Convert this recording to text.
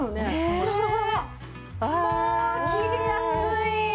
おお切りやすい！